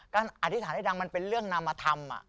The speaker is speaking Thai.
การอธิษฐานให้ดังมันเป็นเรื่องนามธรรมอ่ะ